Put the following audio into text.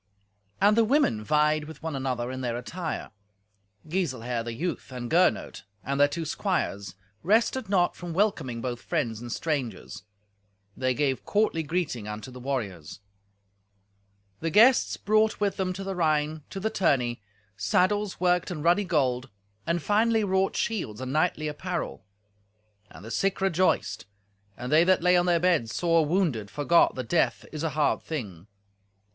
And the women vied with one another in their attire. Giselher, the youth, and Gernot, and their two squires, rested not from welcoming both friends and strangers. They gave courtly greeting unto the warriors. The guests brought with them to the Rhine, to the tourney, saddles worked in ruddy gold, and finely wrought shields, and knightly apparel. And the sick rejoiced, and they that lay on their beds sore wounded forgot that death is an hard thing.